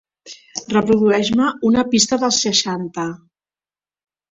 Reprodueix-me una pista dels seixanta.